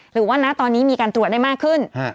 หรือว่านะตอนนี้มีการตรวจได้มากขึ้น